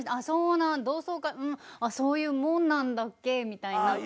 そうなん同窓会そういうもんなんだっけ？みたいな。